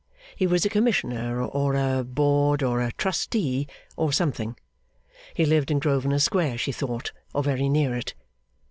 He was a commissioner, or a board, or a trustee, 'or something.' He lived in Grosvenor Square, she thought, or very near it.